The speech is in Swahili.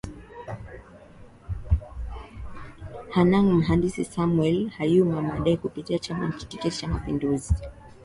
Hanang Mhandisi Samwel Hayuma saday kupitia tiketi ya Chama cha mapinduzi